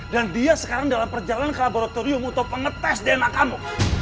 dan dia sekarang dalam perjalanan ke laboratorium untuk mengetes dna kamu